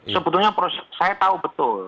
sebetulnya saya tahu betul